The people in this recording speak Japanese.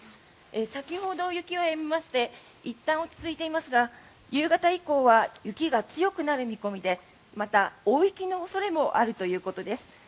先ほど雪はやみましていったん落ち着いていますが夕方以降は雪が強くなる見込みでまた、大雪の恐れもあるということです。